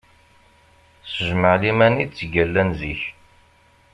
S jmaɛliman i ttgallan zik.